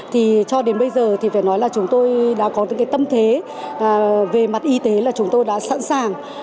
thì cho đến bây giờ thì phải nói là chúng tôi đã có những cái tâm thế về mặt y tế là chúng tôi đã sẵn sàng